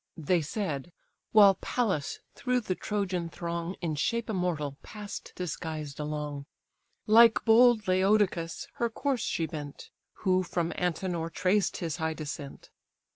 They said, while Pallas through the Trojan throng, (In shape a mortal,) pass'd disguised along. Like bold Laodocus, her course she bent, Who from Antenor traced his high descent.